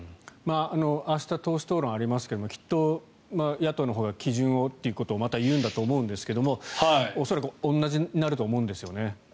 明日党首討論がありますがきっと野党のほうが基準をということをまた言うと思うんですが恐らく同じになると思うんですよね。